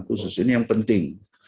khususnya ini yang penting